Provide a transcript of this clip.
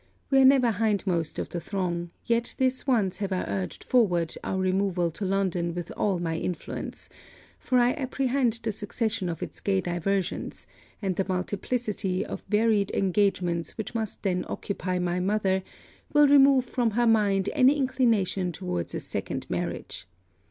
We are never hindmost of the throng; yet this once have I urged forward our removal to London with all my influence; for I apprehend the succession of its gay diversions, and the multiplicity of varied engagements which must then occupy my mother, will remove from her mind any inclination towards a second marriage.